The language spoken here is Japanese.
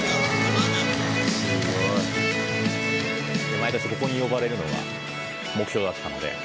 毎年ここに呼ばれるのが目標だったので。